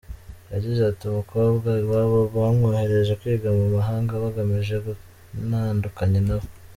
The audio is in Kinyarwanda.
Yagize ati “Umukobwa iwabo bamwohereje kwiga mu mahanga, bagamije kuntandukanya na we.